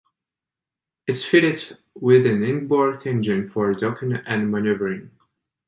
It is fitted with an inboard engine for docking and maneuvering.